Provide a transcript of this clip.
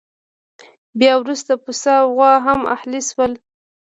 بیا وروسته پسه او غوا هم اهلي شول.